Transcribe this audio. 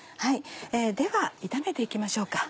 では炒めて行きましょうか。